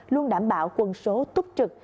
luôn đảm bảo quân số túc trực